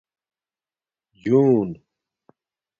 جُݸن